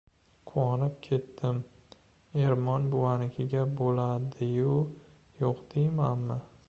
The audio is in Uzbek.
Quvonib ketdim. Ermon buvanikiga bo‘ladi-yu, yo‘q deymanmi!